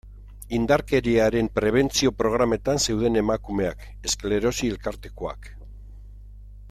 Indarkeriaren prebentzio programetan zeuden emakumeak, esklerosi elkartekoak...